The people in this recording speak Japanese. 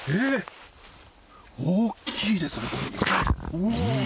大きいですね。